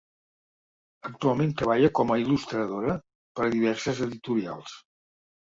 Actualment treballa com a il·lustradora per a diverses editorials.